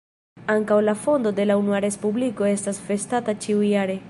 Ankaŭ la fondo de la Unua Respubliko estas festata ĉiujare.